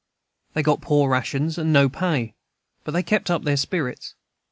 They got poor rations, and no pay; but they kept up their spirits.